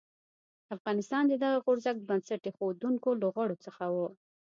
افغانستان د دغه غورځنګ بنسټ ایښودونکو له غړو څخه و.